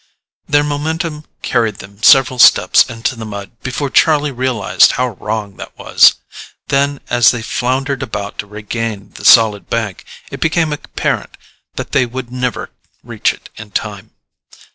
Their momentum carried them several steps into the mud before Charlie realized how wrong that was. Then, as they floundered about to regain the solid bank, it became apparent that they would never reach it in time.